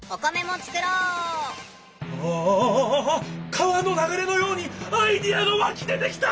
川のながれのようにアイデアがわき出てきた！